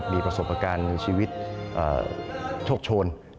มีประสบประการชีวิตโชคโชน